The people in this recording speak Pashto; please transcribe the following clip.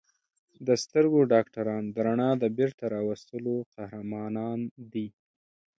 د سترګو ډاکټران د رڼا د بېرته راوستلو قهرمانان دي.